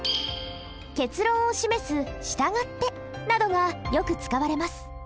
結論を示す「したがって」などがよく使われます。